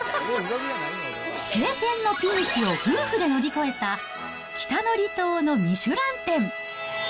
閉店のピンチを夫婦で乗り越えた、北の離島のミシュラン店。